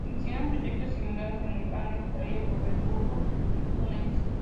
Se iniciaron proyectos similares en Irlanda, Austria, Luxemburgo y Túnez.